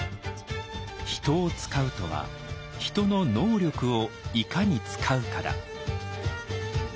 「人を使うとは人の能力をいかに使うかだ」。